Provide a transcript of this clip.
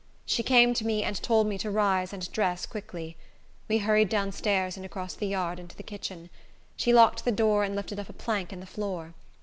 She came to me, and told me to rise and dress quickly. We hurried down stairs, and across the yard, into the kitchen. She locked the door, and lifted up a plank in the floor.